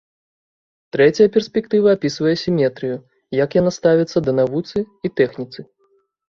Трэцяя перспектыва апісвае сіметрыю, як яна ставіцца да навуцы і тэхніцы.